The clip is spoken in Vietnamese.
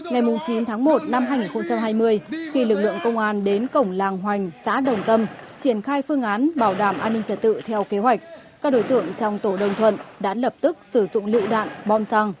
ngày chín tháng một năm hai nghìn hai mươi khi lực lượng công an đến cổng làng hoành xã đồng tâm triển khai phương án bảo đảm an ninh trật tự theo kế hoạch các đối tượng trong tổ đồng thuận đã lập tức sử dụng lựu đạn bom xăng